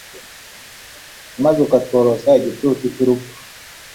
maze ukatworosa igicucu cy'urupfu